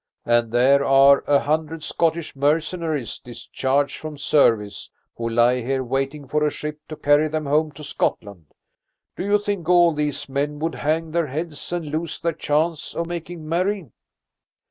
And there are a hundred Scottish mercenaries discharged from service, who lie here waiting for a ship to carry them home to Scotland. Do you think all these men would hang their heads and lose the chance of making merry?"